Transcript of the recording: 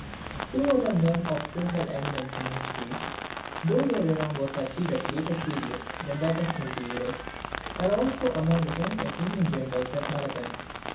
Two other men of signal eminence in history, though their renown was achieved at a later period than that of Miltiades, were also among the ten Athenian generals at Marathon.